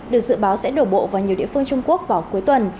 được dự báo sẽ đổ bộ vào nhiều địa phương trung quốc vào cuối tuần